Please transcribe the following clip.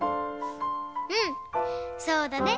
うんそうだね！